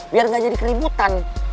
biar ga jadi keributan